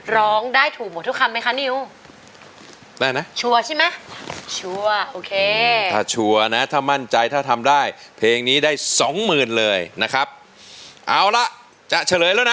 น้องใดน้องใดน้องใดน้องใด